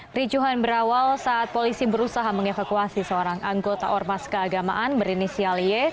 ricuhan berawal saat polisi berusaha mengevakuasi seorang anggota ormas keagamaan berinisial y